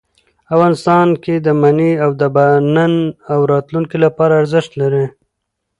افغانستان کې منی د نن او راتلونکي لپاره ارزښت لري.